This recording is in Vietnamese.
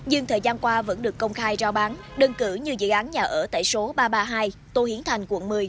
nhưng thời gian qua vẫn được công khai rao bán đơn cử như dự án nhà ở tại số ba trăm ba mươi hai tô hiến thành quận một mươi